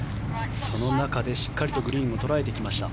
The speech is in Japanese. その中でしっかりとグリーンを捉えてきました。